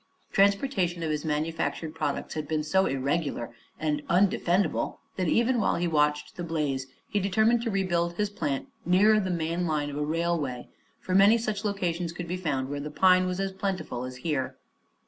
Transportation of his manufactured products had been so irregular and undefendable that even while he watched the blaze he determined to rebuild his plant nearer the main line of a railway, for many such locations could be found where the pine was as plentiful as here.